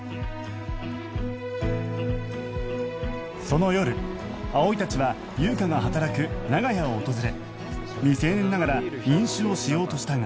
その夜葵たちは優香が働く長屋を訪れ未成年ながら飲酒をしようとしたが